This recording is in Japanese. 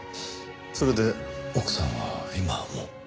それで奥さんは今はもう？